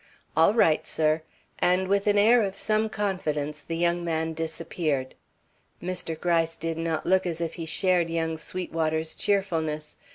"All right, sir," and with an air of some confidence, the young man disappeared. Mr. Gryce did not look as if he shared young Sweetwater's cheerfulness.